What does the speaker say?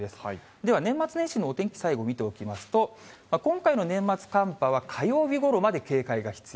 では年末年始のお天気、最後見ておきますと、今回の年末寒波は、火曜日ごろまで警戒が必要。